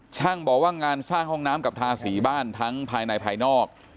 ช่างบอกว่างานสร้างห้องน้ำกับทาสีบ้านทั้งภายในภายนอก